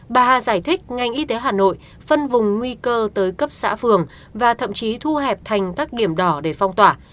bà hà giải thích ngành y tế hà nội phân vùng nguy cơ tới cấp xã phường và thậm chí thu hẹp thành các điểm đỏ để phong tỏa